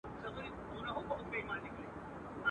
د ابوجهل خوله به ماته وي شیطان به نه وي.